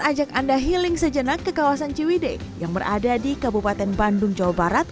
ajak anda healing sejenak ke kawasan ciwide yang berada di kabupaten bandung jawa barat